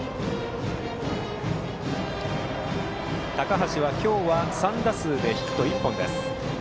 高橋は今日３打数でヒット１本です。